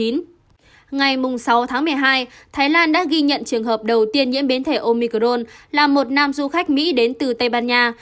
ngày sáu tháng một mươi hai thái lan đã ghi nhận trường hợp đầu tiên nhiễm biến thể omicron là một nam du khách mỹ đến từ tây ban nha